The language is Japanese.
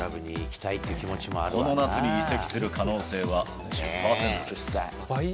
この夏に移籍する可能性は１０％です。